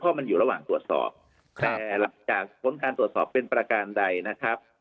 เพราะมันอยู่ระหว่างตรวจสอบแต่จากผลการตรวจสอบเป็นประการใดนะครับ